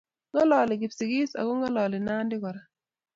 Ng'alali Kipsigis, ako ng'alali Nandi kora.